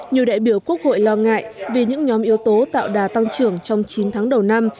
nhiều đại biểu quốc hội lo ngại vì những nhóm yếu tố tạo đà tăng trưởng trong chín tháng đầu năm